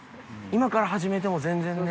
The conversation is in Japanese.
今から始めても、全然ね。